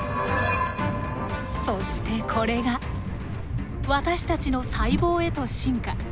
そしてこれが私たちの細胞へと進化。